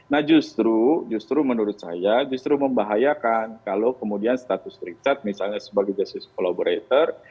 nah justru justru menurut saya justru membahayakan kalau kemudian status richard misalnya sebagai justice collaborator